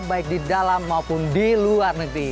baik didalam maupun diluar negeri